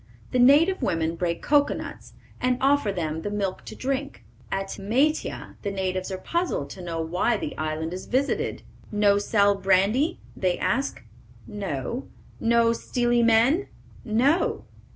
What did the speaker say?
The native women break cocoanuts and offer them the milk to drink. At Maitea the natives are puzzled to know why the island is visited. "No sell brandy?" they ask. "No." "No stealy men?" "No."